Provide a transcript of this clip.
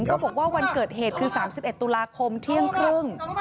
ก็บอกว่าวันเกิดเหตุคือ๓๑ตุลาคมเที่ยงครึ่ง